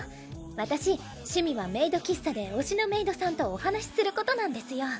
私趣味はメイド喫茶で推しのメイドさんとお話しすることなんですよ。